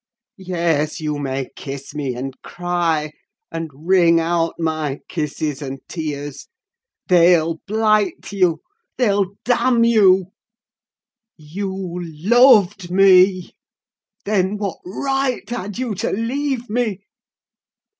Yes, you may kiss me, and cry; and wring out my kisses and tears: they'll blight you—they'll damn you. You loved me—then what right had you to leave me?